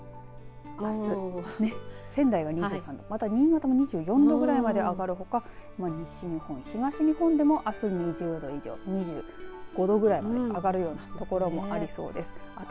あす仙台は２３度また新潟も２４度ぐらいまで上がるほか西日本、東日本でもあす２０度以上２５度ぐらいまで上がる所もありそうです。